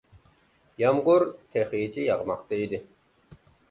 يامغۇر تېخىچە ياغماقتا ئىدى.